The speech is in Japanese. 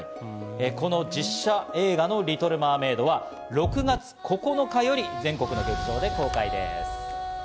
この実写映画の『リトル・マーメイド』は６月９日より全国の劇場で公開です。